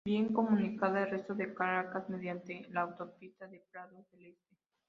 Bien comunicada al resto de Caracas mediante la autopista de Prados del Este.